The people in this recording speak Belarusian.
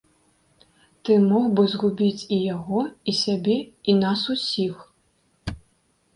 Ты мог бы згубіць і яго, і сябе, і нас усіх.